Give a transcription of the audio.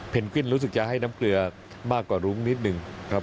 วิ้นรู้สึกจะให้น้ำเกลือมากกว่ารุ้งนิดนึงครับ